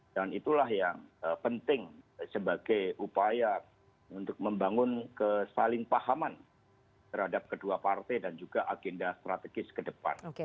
dan itulah yang penting sebagai upaya untuk membangun kesalingpahaman terhadap kedua partai dan juga agenda strategis ke depan